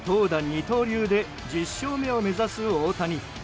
二刀流で１０勝目を目指す大谷。